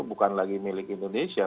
bukan lagi milik indonesia